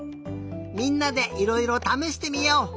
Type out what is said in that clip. みんなでいろいろためしてみよう！